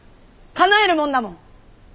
かなえるもんだもん！